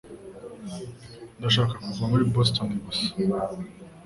Ndashaka kuva muri Boston gusa